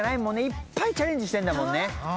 いっぱいチャレンジしてんだもんね。